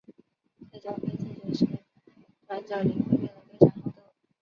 在交配季节时短角羚会变得非常好斗。